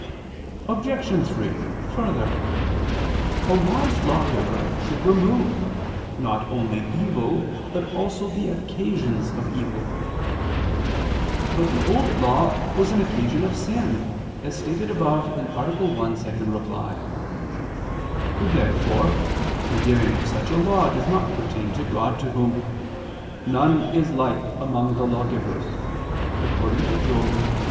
Obj. 3: Further, a wise lawgiver should remove, not only evil, but also the occasions of evil. But the Old Law was an occasion of sin, as stated above (A. 1, ad 2). Therefore the giving of such a law does not pertain to God, to Whom "none is like among the lawgivers" (Job 36:22).